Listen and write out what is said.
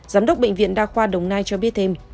giám đốc bệnh viện đa khoa đồng nai cho biết thêm